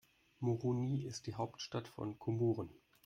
Moroni ist die Hauptstadt von Komoren.